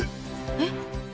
えっ？